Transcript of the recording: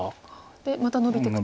でまたノビていくと。